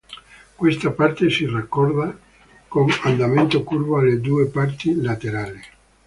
Questa parte si raccorda con andamento curvo alle due parti laterali.